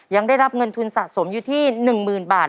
ยังได้รับเงินทุนสะสมอยู่ที่๑๐๐๐บาท